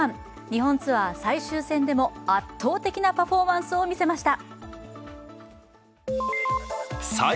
日本ツアー最終戦でも圧倒的なパフォーマンスを見せました。